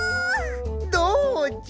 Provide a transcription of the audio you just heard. どうじゃ！